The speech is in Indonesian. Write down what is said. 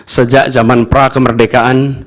sejak zaman pra kemerdekaan